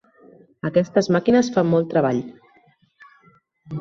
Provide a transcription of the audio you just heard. Aquestes màquines fan molt treball.